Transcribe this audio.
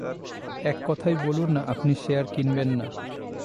এক কথায় বলুন-না আপনি শেয়ার কিনবেন না।